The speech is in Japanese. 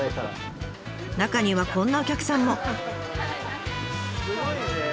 中にはこんなお客さんも。